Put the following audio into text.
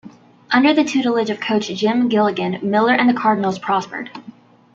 Under the tutelage of Coach Jim Gilligan, Millar and the Cardinals prospered.